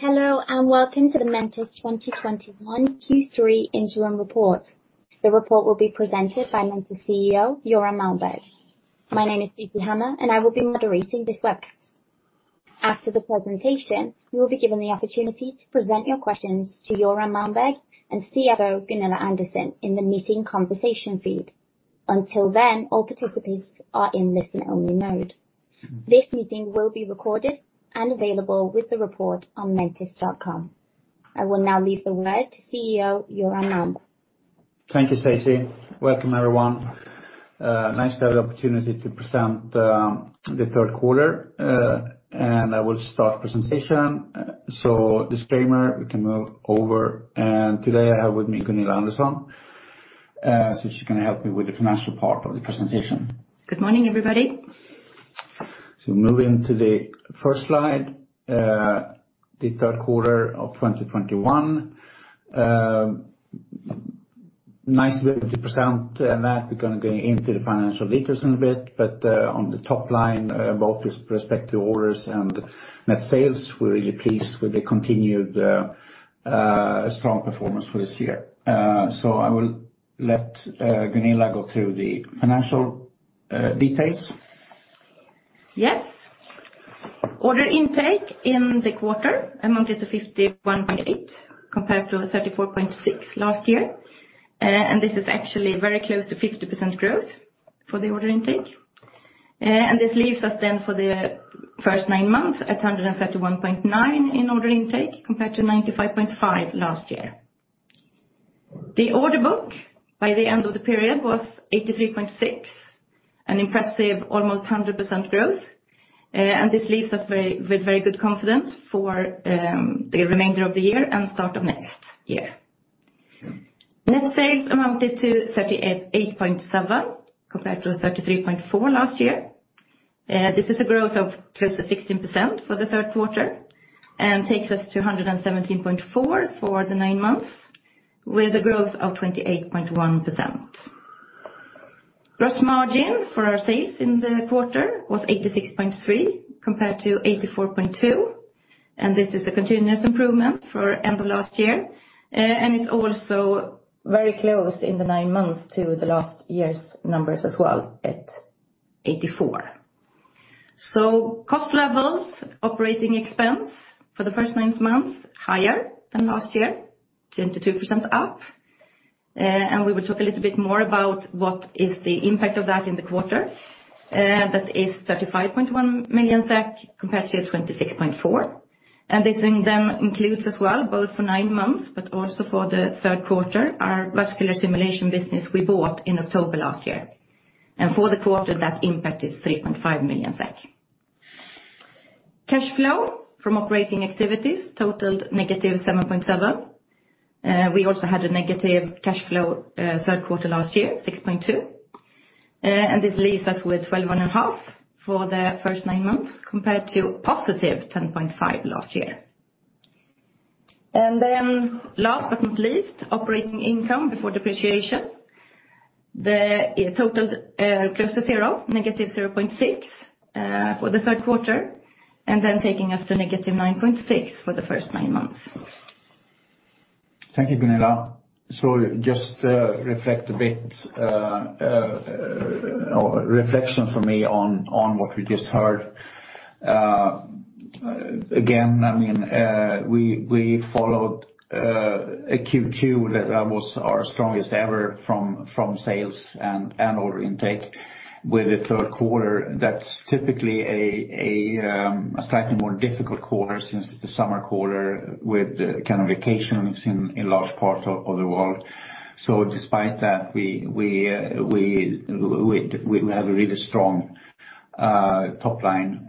Hello, and welcome to the Mentice 2021 Q3 interim report. The report will be presented by Mentice CEO Göran Malmberg. My name is Stacy Hammar, and I will be moderating this webcast. After the presentation, you will be given the opportunity to present your questions to Göran Malmberg and CFO Gunilla Andersson in the meeting conversation feed. Until then, all participants are in listen-only mode. This meeting will be recorded and available with the report on mentice.com. I will now leave the word to CEO Göran Malmberg. Thank you, Stacy. Welcome, everyone. Nice to have the opportunity to present the third quarter. I will start presentation. Disclaimer, we can move over. Today, I have with me Gunilla Andersson, so she can help me with the financial part of the presentation. Good morning, everybody. Moving to the first slide, the third quarter of 2021. Nice way to present that. We're gonna go into the financial details in a bit, but on the top line, both with respect to orders and net sales, we're really pleased with the continued strong performance for this year. I will let Gunilla go through the financial details. Yes. Order intake in the quarter amounted to 51.8 million, compared to 34.6 million last year. This is actually very close to 50% growth for the order intake. This leaves us then for the first nine months at 131.9 million in order intake compared to 95.5 million last year. The order book by the end of the period was 83.6 million, an impressive almost 100% growth. This leaves us with very good confidence for the remainder of the year and start of next year. Net sales amounted to 38.7 million compared to 33.4 million last year. This is a growth of close to 16% for the third quarter and takes us to 117.4 million for the nine months with a growth of 28.1%. Gross margin for our sales in the quarter was 86.3% compared to 84.2%, and this is a continuous improvement for end of last year. And it's also very close in the nine months to the last year's numbers as well at 84%. Cost levels, operating expense for the first nine months, higher than last year, 22% up. And we will talk a little bit more about what is the impact of that in the quarter. That is 35.1 million SEK compared to 26.4 million. This then includes as well, both for nine months but also for the third quarter, our vascular simulation business we bought in October last year. For the quarter, that impact is 3.5 million SEK. Cash flow from operating activities totaled -7.7 million. We also had a negative cash flow third quarter last year, 6.2 million. This leaves us with 12.5 million for the first nine months compared to +10.5 million last year. Then last but not least, operating income before depreciation. The total close to zero, -0.6 million for the third quarter, and then taking us to -9.6 million for the first nine months. Thank you, Gunilla. Just reflect a bit, reflection for me on what we just heard. Again, I mean, we followed a Q2 that was our strongest ever from sales and order intake with the third quarter. That's typically a slightly more difficult quarter since the summer quarter with kind of vacations in large parts of the world. Despite that, we have a really strong top line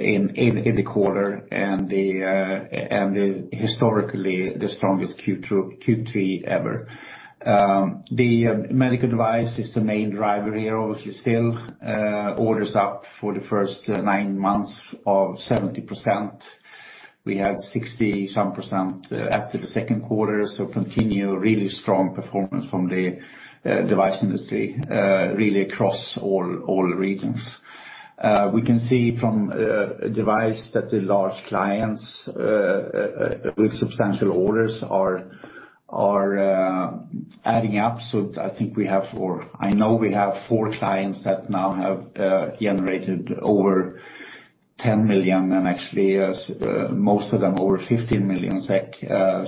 in the quarter and historically, the strongest Q3 ever. The medical device is the main driver here, obviously still. Order's up for the first nine months of 70%. We have 60-some percent after the second quarter. Continue really strong performance from the device industry really across all regions. We can see from device that the large clients with substantial orders are adding up. I think we have four—I know we have four clients that now have generated over 10 million and actually most of them over 15 million SEK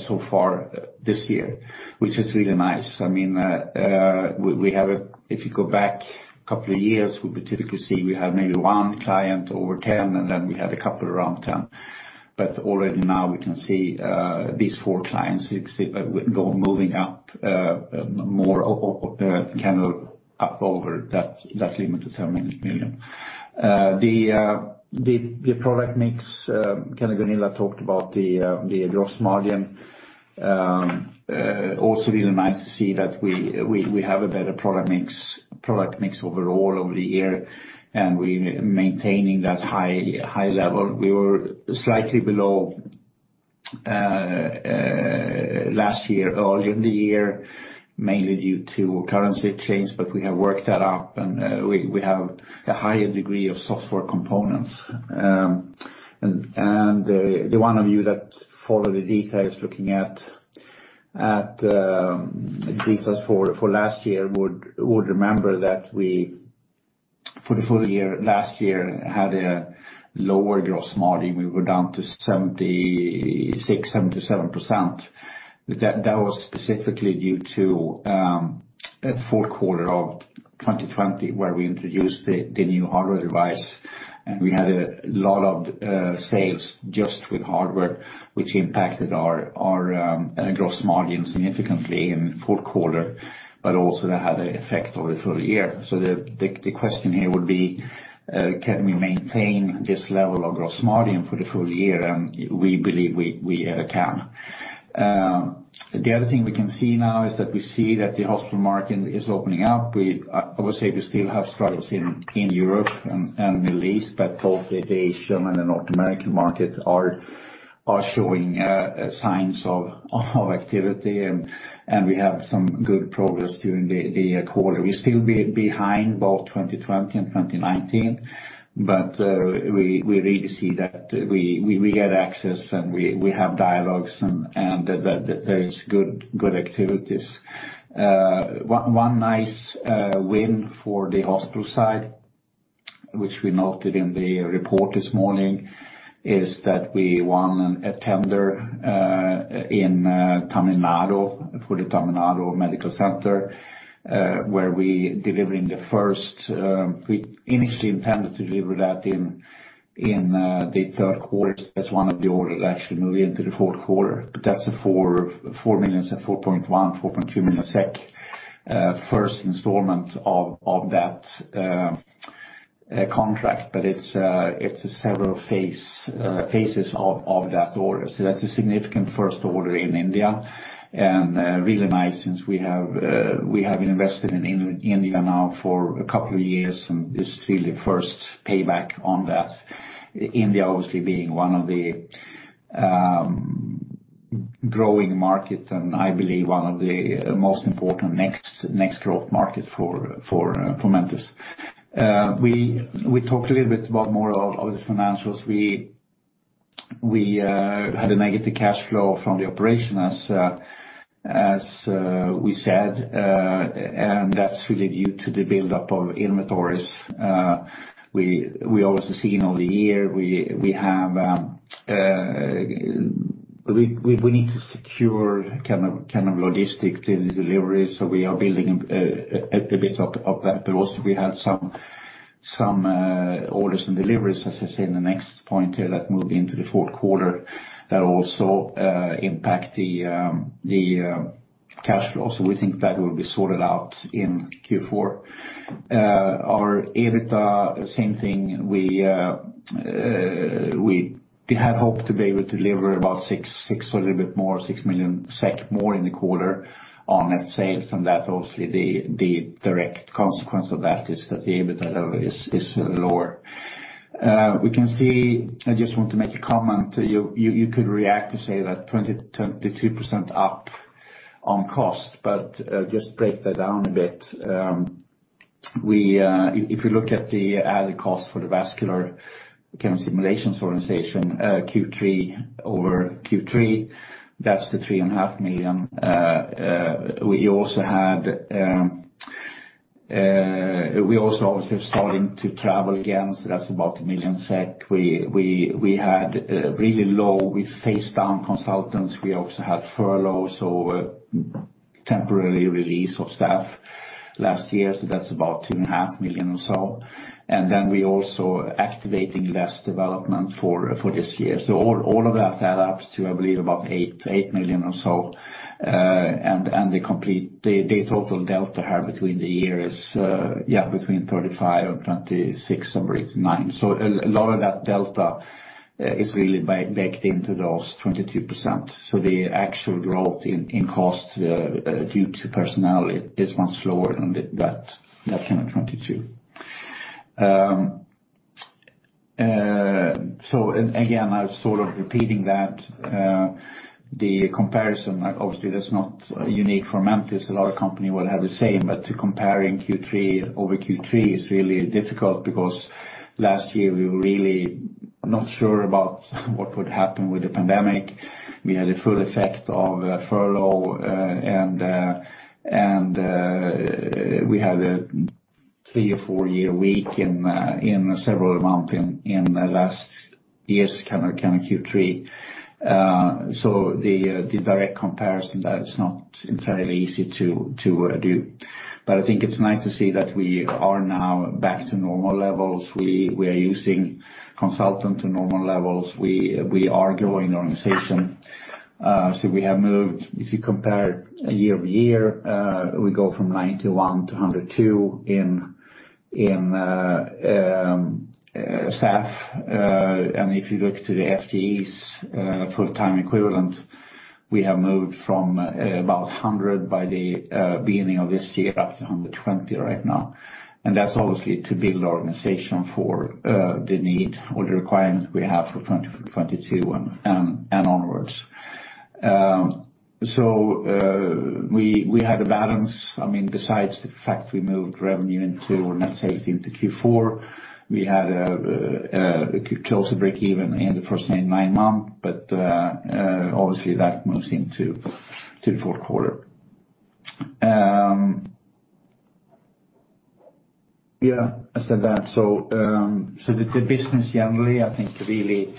so far this year, which is really nice. I mean, if you go back a couple of years, we would typically see we have maybe one client over 10 million, and then we have a couple around 10 million. Already now we can see these four clients go moving up more kind of up over that limit of 10 million. The product mix, kind of Gunilla talked about the gross margin. Also really nice to see that we have a better product mix overall over the year, and we maintaining that high level. We were slightly below last year, early in the year, mainly due to currency change, but we have worked that up, and we have a higher degree of software components. The one of you that follow the details looking at details for last year would remember that we for the full year last year had a lower gross margin. We were down to 76%, 77%. That was specifically due to the fourth quarter of 2020, where we introduced the new hardware device, and we had a lot of sales just with hardware, which impacted our gross margin significantly in the fourth quarter, but also that had an effect over the full year. The question here would be, can we maintain this level of gross margin for the full year? We believe we can. The other thing we can see now is that we see that the hospital market is opening up. I would say we still have struggles in Europe and Middle East, but both the Asian and the North American markets are showing signs of activity, and we have some good progress during the quarter. We're still behind both 2020 and 2019, but we really see that we get access, and we have dialogues and that there is good activities. One nice win for the hospital side, which we noted in the report this morning, is that we won a tender in Tamil Nadu, for the Tamil Nadu Medical Center, where we're delivering the first. We initially intended to deliver that in the third quarter. That's one of the orders that actually moved into the fourth quarter. That's 4 million, 4.1 million, 4.2 million SEK first installment of that contract. It's several phases of that order. That's a significant first order in India, and really nice since we have invested in India now for a couple of years, and this is really the first payback on that. India obviously being one of the growing market and I believe one of the most important next growth market for Mentice. We talked a little bit about more of the financials. We had a negative cash flow from the operation as we said, and that's really due to the build-up of inventories. We also see in all the year we have we need to secure kind of logistics to the delivery, so we are building a bit of that. Also we have some orders and deliveries, as I say in the next point here, that moved into the fourth quarter that also impact the cash flow. We think that will be sorted out in Q4. Our EBITDA, same thing. We had hoped to be able to deliver about six or a little bit more, 6 million SEK more in the quarter on net sales, and that's obviously the direct consequence of that is that the EBITDA level is lower. We can see. I just want to make a comment. You could react to say that 22% up on cost, but just break that down a bit. If you look at the added cost for the Vascular Simulations organization, Q3-over-Q3, that's 3.5 million. We also obviously are starting to travel again, so that's about 1 million SEK. We had really low, we phased down consultants, we also had furloughs or temporary release of staff last year, so that's about 2.5 million or so. Then we also capitalizing less development for this year. All of that adds up to I believe about 8 million or so. The total delta here between the years between 35 million and 26.9 million. A lot of that delta is really baked into those 22%. The actual growth in costs due to personnel is much lower than that kind of 22%. Again, I'm sort of repeating that the comparison, obviously that's not unique for Mentice. A lot of companies will have the same, but comparing Q3-over-Q3 is really difficult because last year we were really not sure about what would happen with the pandemic. We had a full effect of furlough and we had a three or four-day week in several months in last year's kind of Q3. The direct comparison that it's not entirely easy to do. But I think it's nice to see that we are now back to normal levels. We are using consultants to normal levels. We are growing the organization. We have moved, if you compare year-over-year, we go from 91 to 102 in staff. If you look to the FTEs, we have moved from about 100 by the beginning of this year, up to 120 right now. That's obviously to build our organization for the need or the requirements we have for 2022 and onwards. We had a balance. I mean, besides the fact we moved revenue into, or net sales into Q4, we had a closer breakeven in the first nine months. Obviously, that moves into the fourth quarter. Yeah, I said that. The business generally, I think really,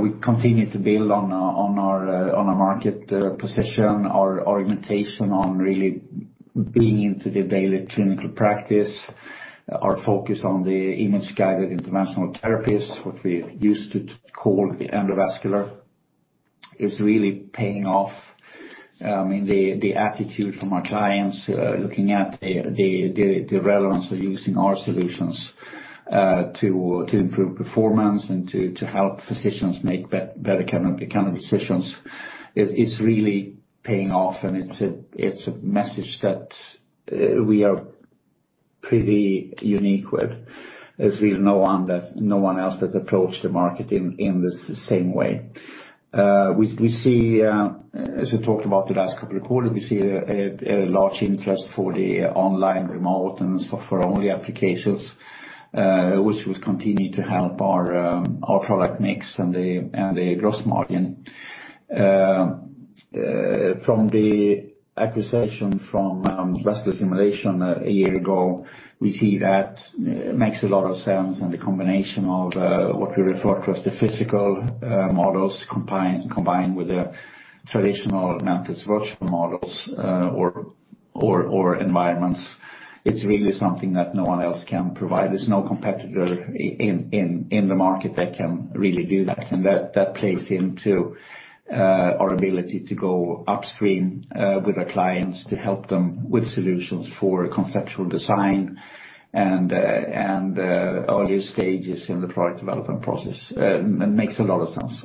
we continue to build on our market position. Our orientation on really being into the daily clinical practice. Our focus on the image-guided interventional therapies, what we used to call the endovascular, is really paying off. I mean, the attitude from our clients, looking at the relevance of using our solutions, to improve performance and to help physicians make better kind of decisions is really paying off. It's a message that we are pretty unique with. There's really no one else that approaches the market in this same way. We see, as we talked about the last couple of quarters, a large interest for the online, remote, and software-only applications, which will continue to help our product mix and the gross margin. From the acquisition from Vascular Simulations a year ago, we see that makes a lot of sense, and the combination of what we refer to as the physical models combined with the traditional Mentice virtual models or environments, it's really something that no one else can provide. There's no competitor in the market that can really do that, and that plays into our ability to go upstream with our clients, to help them with solutions for conceptual design and earlier stages in the product development process. It makes a lot of sense.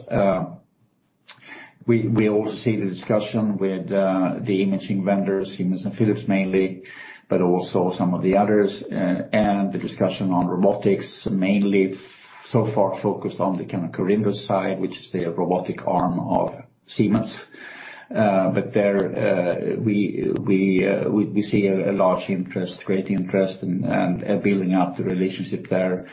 We also see the discussion with the imaging vendors, Siemens and Philips mainly, but also some of the others. The discussion on robotics mainly so far focused on the kind of Corindus side, which is the robotic arm of Siemens. We see a large interest, great interest in building out the relationship there.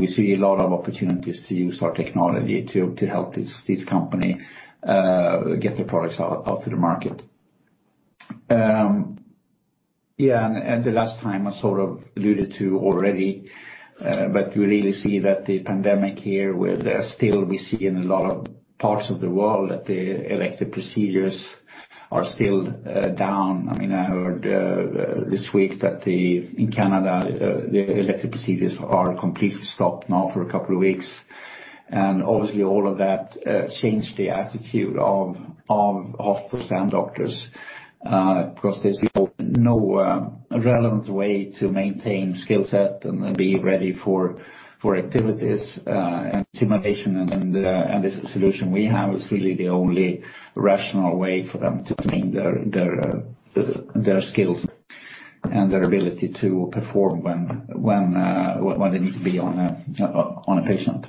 We see a lot of opportunities to use our technology to help this company get their products out to the market. The last time, I sort of alluded to already, we really see that the pandemic here with still we see in a lot of parts of the world that the elective procedures are still down. I mean, I heard this week that in Canada the elective procedures are completely stopped now for a couple of weeks. Obviously, all of that changed the attitude of hospitals and doctors, because there's no relevant way to maintain skill set and be ready for activities, and simulation and the solution we have is really the only rational way for them to train their skills and their ability to perform when they need to be on a patient.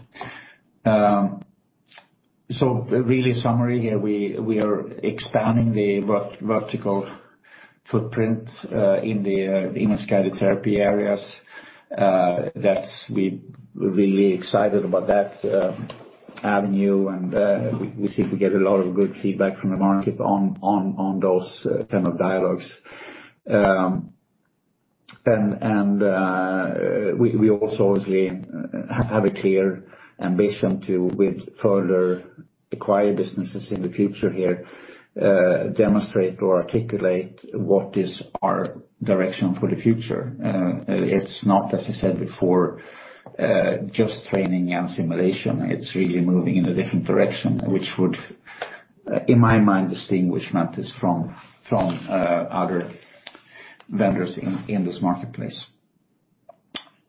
So really summary here, we are expanding the vertical footprint in the image-guided therapy areas. That's. We're really excited about that avenue, and we seem to get a lot of good feedback from the market on those kind of dialogues. We also obviously have a clear ambition to, with further acquired businesses in the future here, demonstrate or articulate what is our direction for the future. It's not, as I said before, just training and simulation. It's really moving in a different direction, which would, in my mind, distinguish Mentice from other vendors in this marketplace.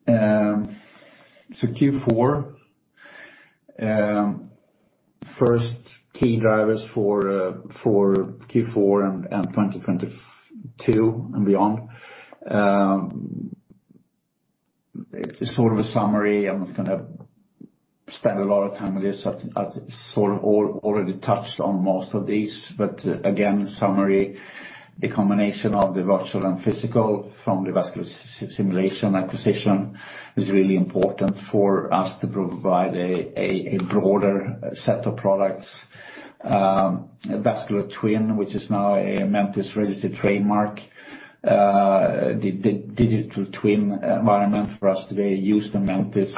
Q4. First key drivers for Q4 and 2022 and beyond. It's sort of a summary. I'm not gonna spend a lot of time on this. I sort of already touched on most of these. Again, summary, the combination of the virtual and physical from the Vascular Simulations acquisition is really important for us to provide a broader set of products. Vascular Twin, which is now a Mentice registered trademark, the digital twin environment for us to really use the Mentice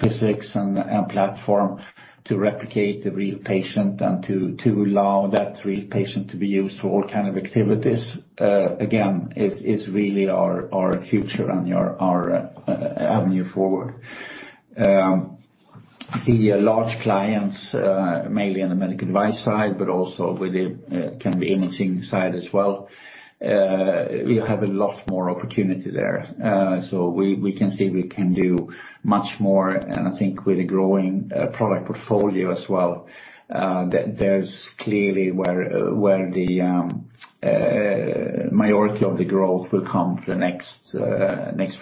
physics and platform to replicate the real patient and to allow that real patient to be used for all kind of activities, again, is really our future and our avenue forward. The large clients, mainly on the medical device side, but also with the kind of imaging side as well. We have a lot more opportunity there. We can see if we can do much more. I think with the growing product portfolio as well, that's clearly where the majority of the growth will come for the next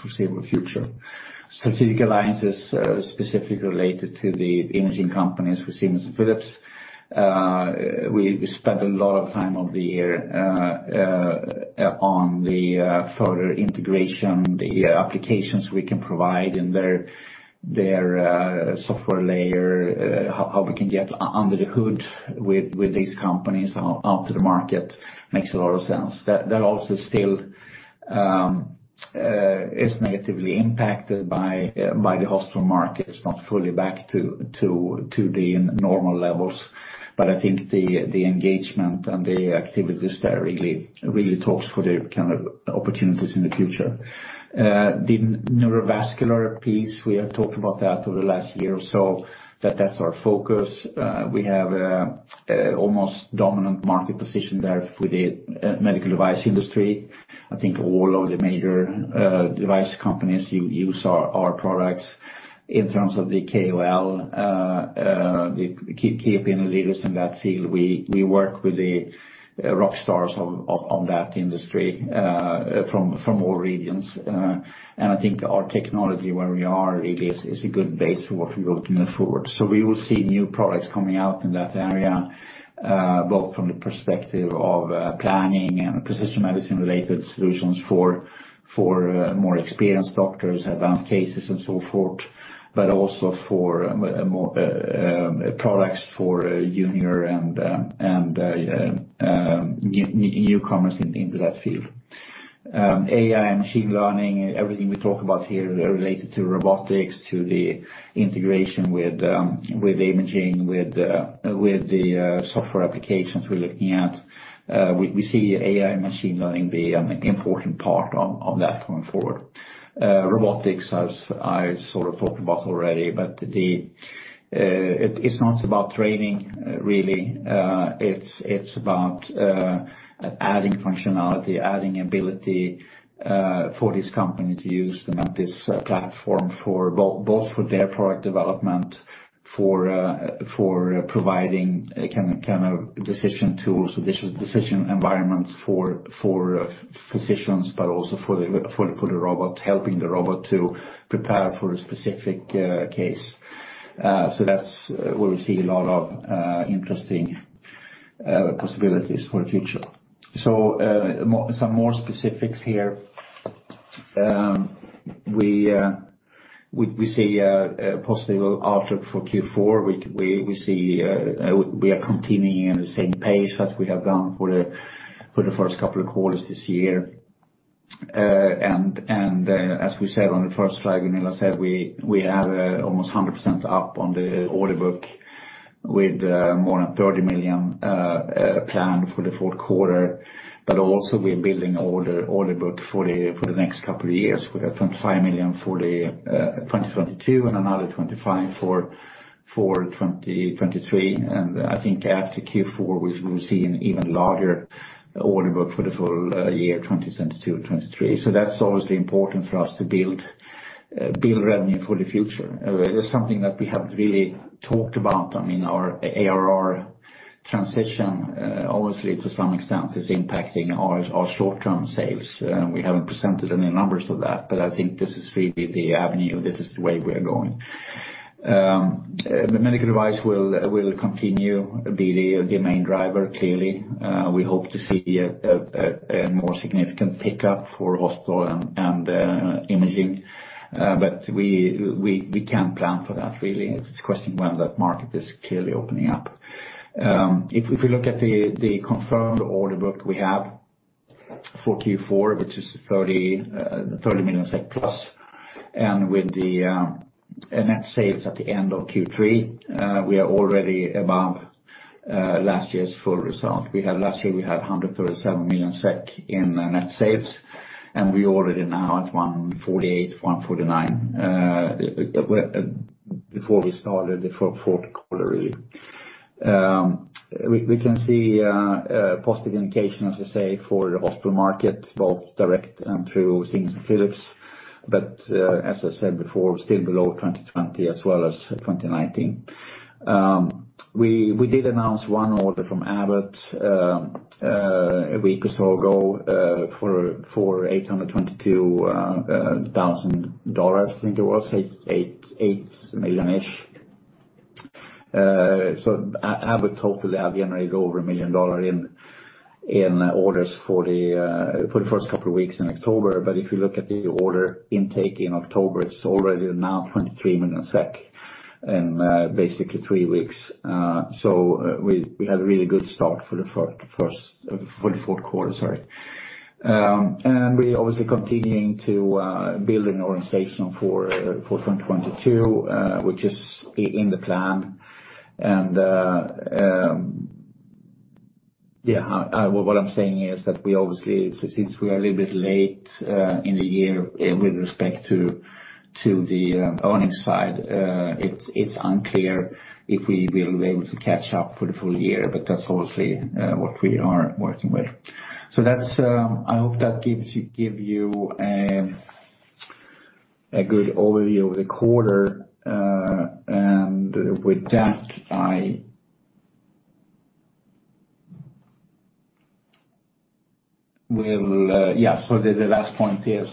foreseeable future. Strategic alliances, specifically related to the imaging companies with Siemens and Philips. We spent a lot of time over the year on the further integration, the applications we can provide and their software layer, how we can get under the hood with these companies out to the market makes a lot of sense. That also still is negatively impacted by the hospital market. It's not fully back to the normal levels. I think the engagement and the activities there really talks for the kind of opportunities in the future. The neurovascular piece, we have talked about that over the last year or so, that's our focus. We have almost dominant market position there with the medical device industry. I think all of the major device companies use our products. In terms of the KOL, the key opinion leaders in that field, we work with the rock stars in that industry from all regions. I think our technology, where we are, really is a good base for what we will do to move forward. We will see new products coming out in that area, both from the perspective of planning and precision medicine related solutions for more experienced doctors, advanced cases and so forth, but also for more products for junior and newcomers into that field. AI and machine learning, everything we talk about here related to robotics, to the integration with imaging, with the software applications we're looking at. We see AI and machine learning being an important part of that going forward. Robotics, as I sort of talked about already, but it's not about training really, it's about adding functionality, adding ability for this company to use this platform for both their product development, for providing a kind of decision tools, decision environments for physicians, but also for the robot, helping the robot to prepare for a specific case. That's where we see a lot of interesting possibilities for the future. Some more specifics here. We see a possible outlook for Q4. We see we are continuing at the same pace as we have done for the first couple of quarters this year. As we said on the first slide, Gunilla said, we have almost 100% up on the order book with more than 30 million planned for the fourth quarter. We're building order book for the next couple of years. We have 25 million for 2022 and another 25 million for 2023. I think after Q4, we'll see an even larger order book for the full year 2022, 2023. That's obviously important for us to build revenue for the future. That's something that we haven't really talked about. I mean, our ARR transition obviously to some extent is impacting our short-term sales. We haven't presented any numbers of that, but I think this is really the avenue. This is the way we are going. The medical device will continue be the main driver clearly. We hope to see a more significant pickup for hospital and imaging. We can't plan for that really. It's a question when that market is clearly opening up. If we look at the confirmed order book we have for Q4, which is 30+ million SEK, and with the net sales at the end of Q3, we are already above last year's full result. Last year, we had 137 million SEK in net sales, and we're already now at 148 million, 149 million before we started the fourth quarter really. We can see positive indications, as I say, for hospital market, both direct and through Siemens and Philips. But as I said before, still below 2020 as well as 2019. We did announce one order from Abbott a week or so ago for $822,000, I think it was, eight million-ish. So Abbott totally have generated over a million dollars in orders for the first couple of weeks in October. But if you look at the order intake in October, it's already now 23 million SEK in basically three weeks. We had a really good start for the fourth quarter, sorry. We're obviously continuing to build an organization for 2022, which is in the plan. What I'm saying is that we obviously, since we are a little bit late in the year with respect to the revenue side, it's unclear if we will be able to catch up for the full year, but that's obviously what we are working with. That's, I hope that gives you a good overview of the quarter. With that, I will. Yeah. The last point here.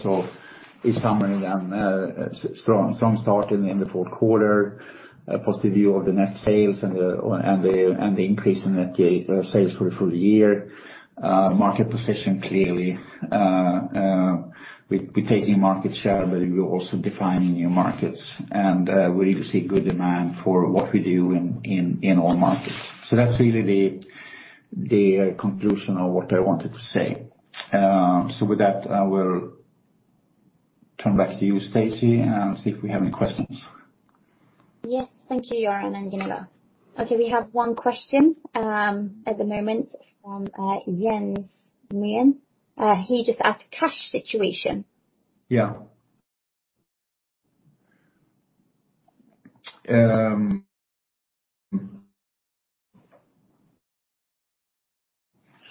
In summary, a strong start in the fourth quarter, a positive view of the net sales and the increase in net sales for the full year. Market position, clearly, we're taking market share, but we're also defining new markets. We really see good demand for what we do in all markets. That's really the conclusion of what I wanted to say. With that, I will come back to you, Stacy, and see if we have any questions. Yes. Thank you, Göran and Gunilla. Okay, we have one question at the moment from Jens Myren. He just asked cash situation. Yeah.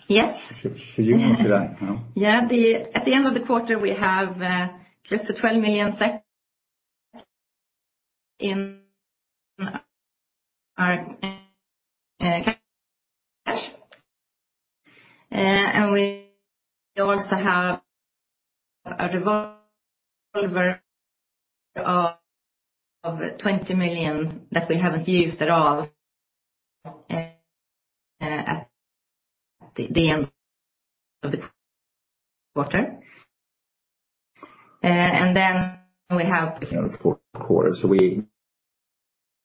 Yes. She knows that. At the end of the quarter, we have just 12 million in our cash. We also have a revolver of 20 million that we haven't used at all at the end of the quarter. Then we have- The end of the quarter.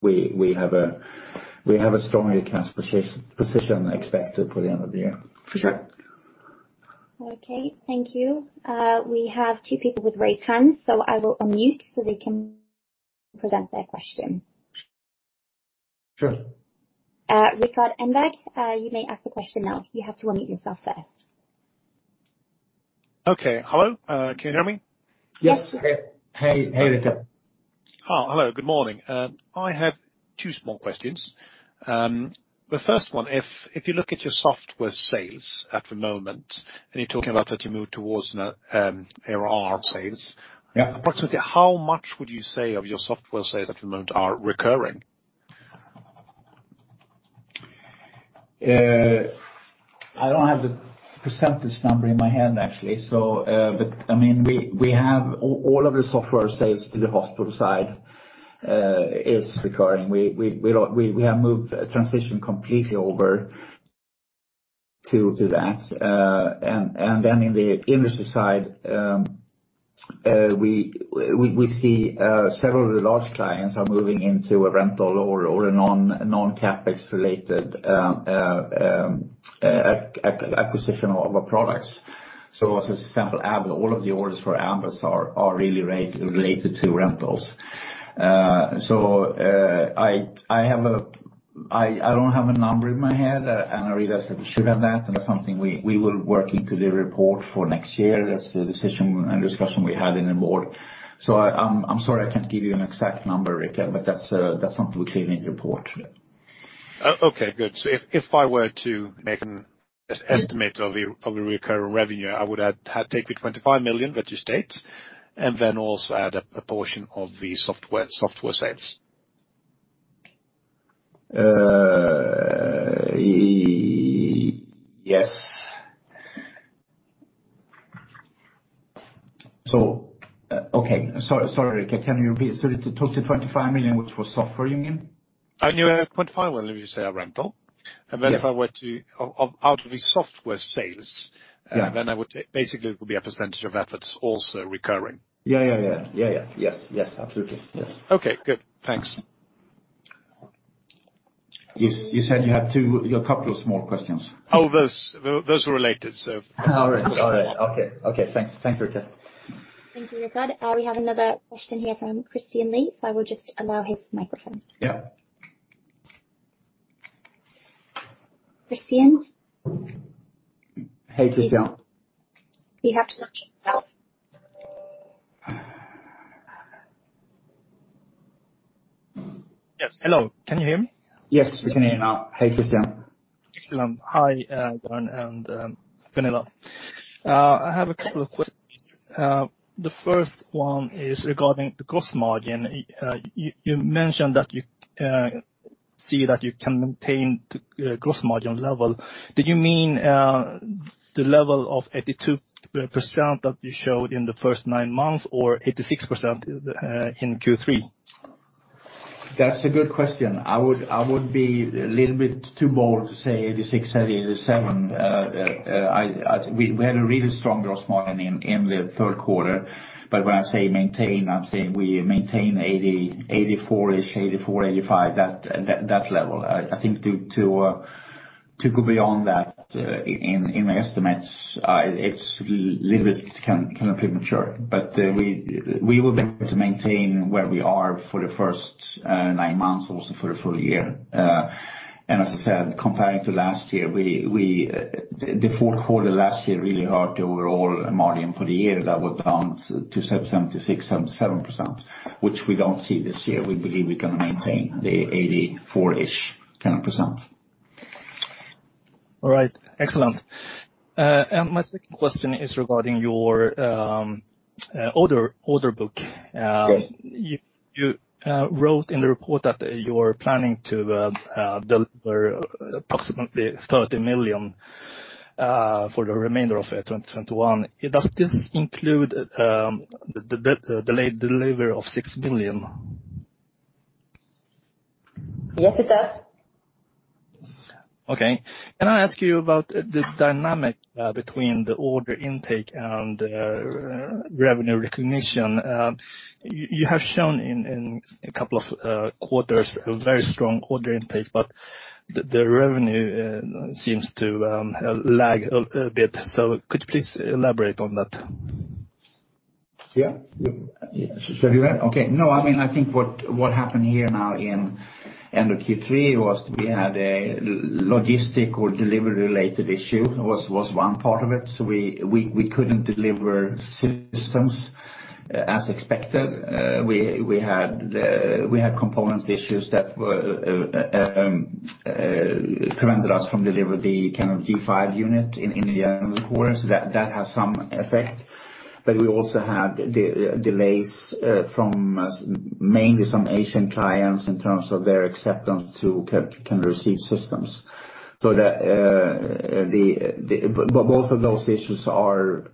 We have a stronger cash position expected for the end of the year. For sure. Okay. Thank you. We have two people with raised hands, so I will unmute so they can present their question. Sure. Rikard Engberg, you may ask the question now. You have to unmute yourself first. Okay. Hello? Can you hear me? Yes. Yes. Hey, hey, Rikard. Oh, hello. Good morning. I have two small questions. The first one, if you look at your software sales at the moment, and you're talking about that you move towards now, ARR sales. Yeah. Approximately how much would you say of your software sales at the moment are recurring? I don't have the percentage number in my hand, actually. I mean, we have all of the software sales to the hospital side is recurring. We have moved transition completely over to that. In the industry side, we see several of the large clients are moving into a rental or a non-CapEx related acquisition of our products. As a sample, Ambu, all of the orders for Ambu are really related to rentals. I don't have a number in my head, and I realize that we should have that. That's something we will work into the report for next year. That's a decision and discussion we had in the board. I'm sorry I can't give you an exact number, Rikard, but that's something we clear in the report. Okay, good. If I were to make an estimate of the recurring revenue, I would have to take the 25 million that you state, and then also add a portion of the software sales. Yes. Okay. Sorry, Rikard, can you repeat? It's a total of 25 million, which was software you mean? I knew 0.5 will usually say a rental. Yeah. If I were to out of the software sales. Yeah. I would say basically it would be a percentage of efforts also recurring. Yeah. Yeah. Yes. Absolutely. Yes. Okay, good. Thanks. You said you had a couple of small questions. Oh, those were related, so. All right. Okay. Thanks, Rikard. Thank you, Rikard. We have another question here from Christian Lee, so I will just allow his microphone. Yeah. Christian? Hey, Christian. You have to unmute yourself. Yes. Hello. Can you hear me? Yes, we can hear now. Hey, Christian. Excellent. Hi, Göran and Gunilla. I have a couple of questions. The first one is regarding the gross margin. You mentioned that you see that you can maintain the gross margin level. Did you mean the level of 82% that you showed in the first nine months or 86% in Q3? That's a good question. I would be a little bit too bold to say 86%, 87%. We had a really strong gross margin in the third quarter. When I say maintain, I'm saying we maintain 84%-ish, 84%, 85%, that level. I think to go beyond that in my estimates, it's little bit kind of premature. We will be able to maintain where we are for the first nine months, also for the full year. As I said, comparing to last year, the fourth quarter last year really hurt the overall margin for the year. That went down to 76%, 77%, which we don't see this year. We believe we can maintain the 84-ish kind of percent. All right. Excellent. My second question is regarding your order book. Yes. You wrote in the report that you're planning to deliver approximately 30 million for the remainder of 2021. Does this include the delayed delivery of 6 million? Yes, it does. Okay. Can I ask you about this dynamic between the order intake and revenue recognition? You have shown in a couple of quarters a very strong order intake, but the revenue seems to lag a bit. Could you please elaborate on that? No, I mean, I think what happened here now at the end of Q3 was we had a logistical or delivery-related issue that was one part of it. We couldn't deliver systems as expected. We had components issues that prevented us from delivering the kind of G5 unit in the final quarter. That had some effect. We also had delays from mainly some Asian clients in terms of their acceptance to kind of receive systems. Both of those issues can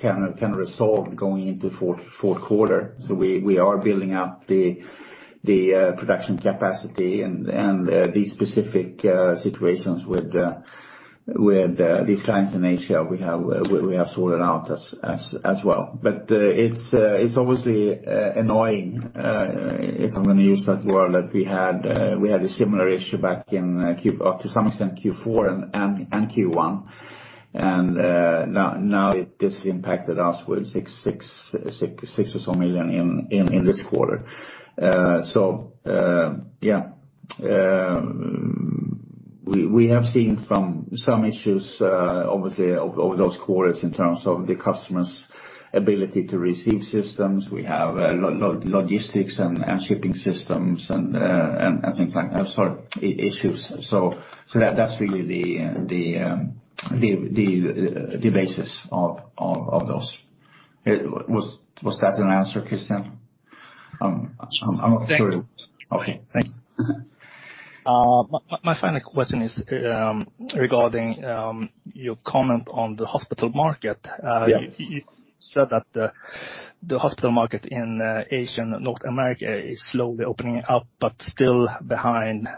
be resolved going into fourth quarter. We are building up the production capacity and these specific situations with these clients in Asia we have sorted out as well. It's obviously annoying, if I'm gonna use that word, that we had a similar issue back in Q3 or to some extent Q4 and Q1. Now this impacted us with 6 million or so in this quarter. Yeah. We have seen some issues obviously over those quarters in terms of the customers' ability to receive systems. We have logistics and shipping systems and things like that sort of issues. That's really the basis of those. Was that an answer, Christian? I'm not sure. Thanks. Okay, thanks. My final question is regarding your comment on the hospital market. Yeah. You said that the hospital market in Asia and North America is slowly opening up, but still behind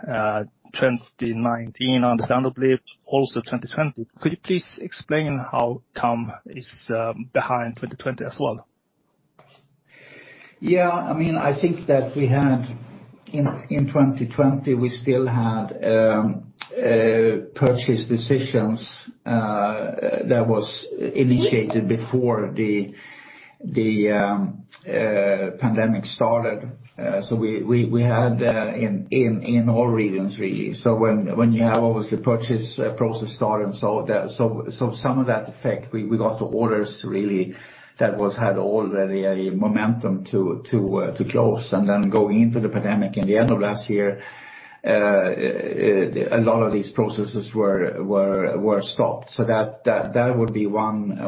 2019, understandably, also 2020. Could you please explain how come it's behind 2020 as well? I mean, I think that we had in 2020 we still had purchase decisions that was initiated before the pandemic started. We had in all regions really. When you have obviously purchase process started, some of that effect, we got orders really that had already a momentum to close. Then going into the pandemic in the end of last year, a lot of these processes were stopped. That would be one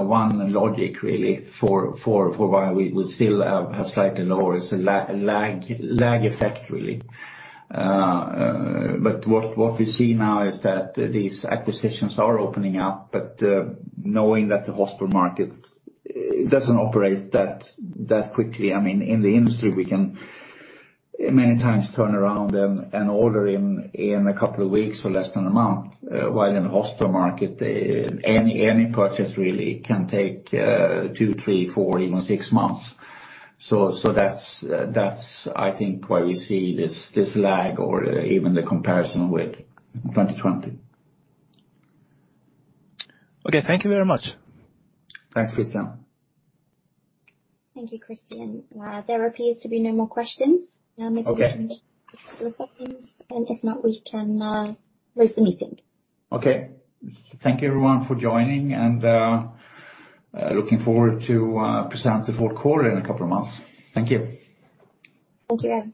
logic really for why we would still have slightly lower. It's a lag effect really. What we see now is that these acquisitions are opening up. Knowing that the hospital market doesn't operate that quickly, I mean, in the industry, we can many times turn around and order in a couple of weeks or less than a month. While in the hospital market, any purchase really can take two, three, four, even six months. That's I think why we see this lag or even the comparison with 2020. Okay, thank you very much. Thanks, Christian. Thank you, Christian. There appears to be no more questions. Okay. Maybe a couple of seconds, and if not, we can close the meeting. Okay. Thank you everyone for joining, and looking forward to present the fourth quarter in a couple of months. Thank you. Thank you.